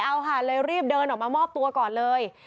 เอาอาจารย์เรารีบเดินออกมามอบตัวก่อนเลย